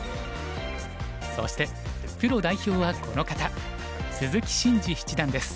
そしてプロ代表はこの方鈴木伸二七段です。